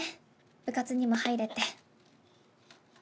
部活にも入れて。